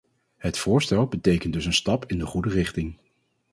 Het voorstel betekent dus een stap in de goede richting.